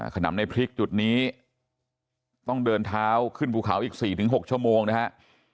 ขนำในพริกจุดนี้ต้องเดินเท้าขึ้นภูเขาอีก๔๖ชั่วโมงนะครับ